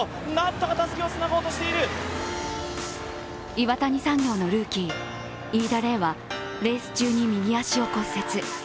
岩谷産業のルーキー、飯田怜はレース中に右足を骨折。